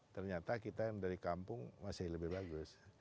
ternyata kita yang dari kampung masih lebih bagus